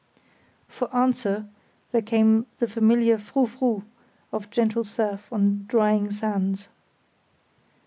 For answer there came the familiar frou frou of gentle surf on drying sands.